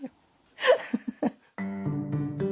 フフフッ。